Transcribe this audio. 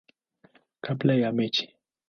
kabla ya mechi.